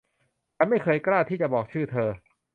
ฉันไม่เคยกล้าที่จะบอกชื่อเธอ